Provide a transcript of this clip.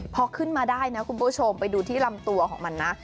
พอขึ้นมาได้นะคุณผู้ชมไปดูที่ลำตัวของมันนะ